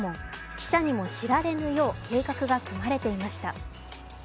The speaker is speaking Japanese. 記者にも知られぬよう計画が組まれていました。